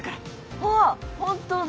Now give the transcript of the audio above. うわっ本当だ。